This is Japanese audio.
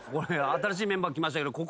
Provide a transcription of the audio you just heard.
新しいメンバー来ましたけど。